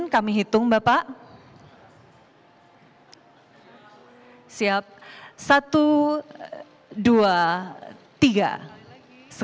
kami minta maaf ketika dipadam ini